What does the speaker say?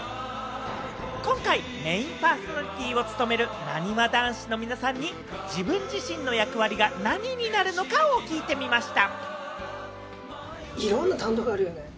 今回、メインパーソナリティーを務める、なにわ男子の皆さんに、自分自身の役割が何になるのかを聞いてみました。